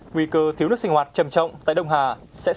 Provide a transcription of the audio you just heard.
nguy cơ thiếu nước sinh hoạt trầm trọng tại đông hà sẽ xảy ra trên diện rộng